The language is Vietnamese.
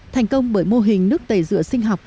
thành công bởi mô hình nước tẩy rửa sinh học